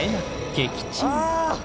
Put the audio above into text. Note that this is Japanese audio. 撃沈